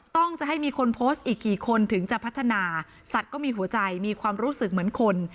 ต้องจะให้มีคนโพสต์อีกกี่คนถึงจะพัฒนาสัตว์ก็มีหัวใจมีความรู้สึกเหมือนคน